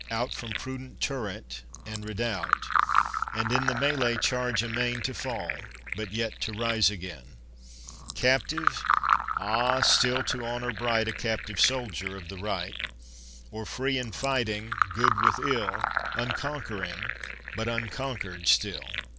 — out From prudent turret and redoubt, BEDSIDE BOOKS 95 And in the mellay charge amain To fall, but yet to rise again ! Captive ? Ah, still, to honour bright, A captive soldier of the right 1 Or free and fighting, good with ill ? Unconquering but unconquered still